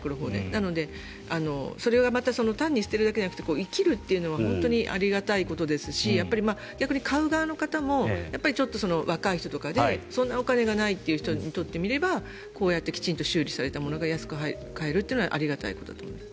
なので、それがまた単に捨てるだけじゃなくて生きるというのは本当にありがたいことですし逆に買う側の方も若い人とかでそんなにお金がないという人にとってみればこうやってきちんと修理されたものが安く買えるというのはありがたいことだと思います。